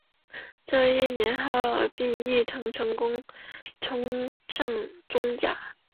这一年哈尔滨毅腾成功冲上中甲。